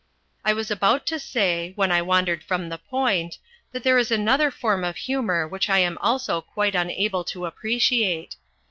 I was about to say, when I wandered from the point, that there is another form of humour which I am also quite unable to appreciate.